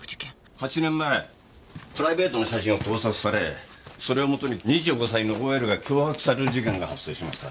８年前プライベートな写真を盗撮されそれをもとに２５歳のＯＬが脅迫される事件が発生しました。